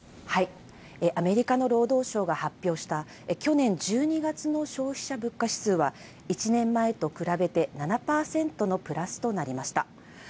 アメリカの労働省が発表した去年１２月の消費者物価指数は、１年前と比べて７％のプラスとなりました。